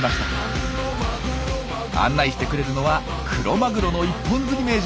案内してくれるのはクロマグロの一本釣り名人